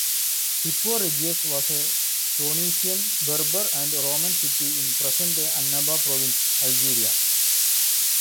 Hippo Regius was a Phoenician, Berber and Roman city in present-day Annaba Province, Algeria.